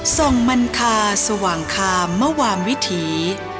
ส่งมันคาสว่างคามมวามวิถี